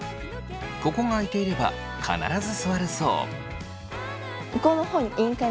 ここが空いていれば必ず座るそう。